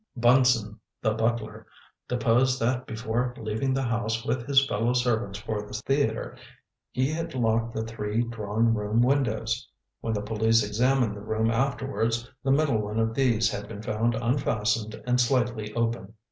Bunson, the butler, deposed that before leaving the house with his fellow servants for the theatre, he had locked the three drawing room windows. When the police examined the room afterwards, the middle one of these had been found unfastened and slightly open.